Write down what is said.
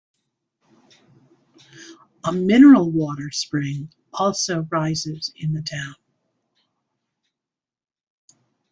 A mineral water spring also rises in the town.